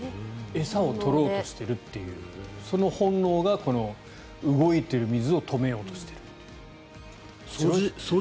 餌を取ろうとしているというその本能がこの動いている水を止めようとしているという。